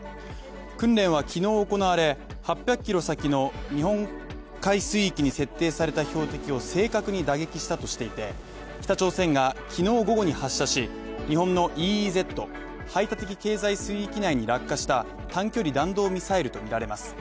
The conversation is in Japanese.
訓練は昨日行われ８００ｋｍ先の日本海水域に設定された標的を正確に打撃したとしていて北朝鮮が昨日午後に発射し日本のＥＥＺ＝排他的経済水域内に落下した短距離弾道ミサイルとみられます。